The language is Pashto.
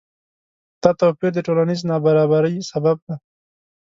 دا توپیر د ټولنیز نابرابری سبب دی.